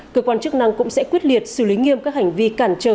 cơ quan chức năng cũng sẽ quyết liệt xử lý nghiêm các hành vi cản trở